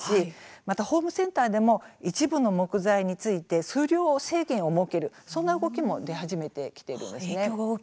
またホームセンターでも一部の木材について数量を制限するそういう動きも出てきています。